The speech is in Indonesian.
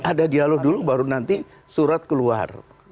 ada dialog dulu baru nanti surat keluar